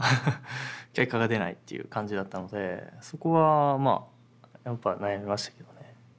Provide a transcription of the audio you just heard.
っていう感じだったのでそこはまあやっぱ悩みましたけどね。